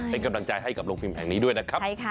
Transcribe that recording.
เป็นกำลังใจให้กับโรงพิมพ์แห่งนี้ด้วยนะครับ